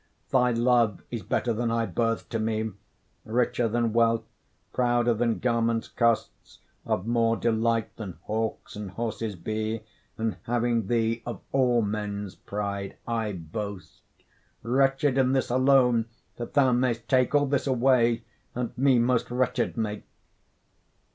Thy love is better than high birth to me, Richer than wealth, prouder than garments' costs, Of more delight than hawks and horses be; And having thee, of all men's pride I boast: Wretched in this alone, that thou mayst take All this away, and me most wretched make.